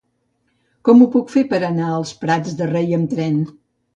Com ho puc fer per anar als Prats de Rei amb tren?